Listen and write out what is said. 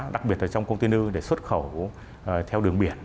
đặc biệt là trong container để xuất khẩu theo đường biển